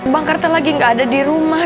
bangkarta lagi gak ada di rumah